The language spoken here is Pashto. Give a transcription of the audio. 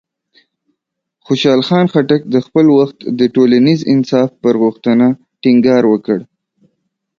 خوشحال خان خټک د خپل وخت د ټولنیز انصاف پر غوښتنه ټینګار وکړ.